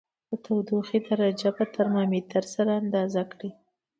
د تودوخې درجه په ترمامتر سره اندازه کړئ.